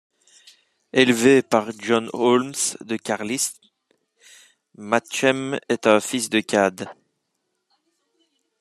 Élevé par John Holmes de Carlisle, Matchem est un fils de Cade.